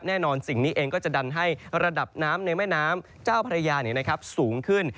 สิ่งนี้เองก็จะดันให้ระดับน้ำในแม่น้ำเจ้าพระยาสูงขึ้น